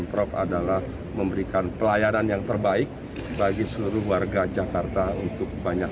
terkait tujuan pengawalan nantinya akan dilakukan